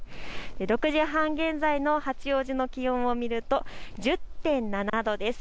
６時半現在の八王子の気温を見ると１０．７度です。